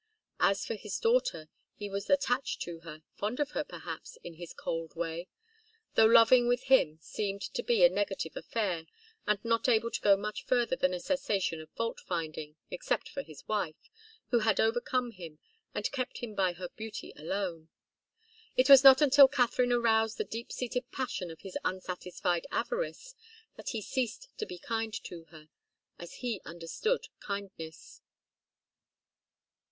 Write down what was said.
As for his daughter, he was attached to her, fond of her, perhaps, in his cold way; though loving with him seemed to be a negative affair and not able to go much further than a cessation of fault finding, except for his wife, who had overcome him and kept him by her beauty alone. It was not until Katharine aroused the deep seated passion of his unsatisfied avarice that he ceased to be kind to her, as he understood kindness.